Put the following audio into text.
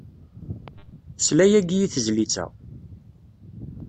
Tesla yagi i tezlit-a.